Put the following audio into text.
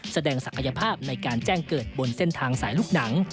ศักยภาพในการแจ้งเกิดบนเส้นทางสายลูกหนัง